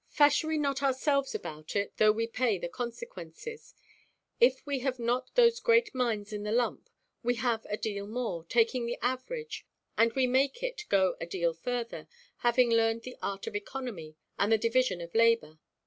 Fash we not ourselves about it, though we pay the consequences. If we have not those great minds in the lump, we have a deal more, taking the average, and we make it go a deal further, having learned the art of economy and the division of labour.